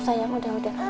sayang udah udah